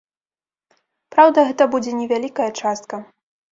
Праўда, гэта будзе невялікая частка.